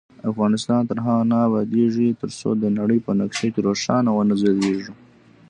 افغانستان تر هغو نه ابادیږي، ترڅو د نړۍ په نقشه کې روښانه ونه ځلیږو.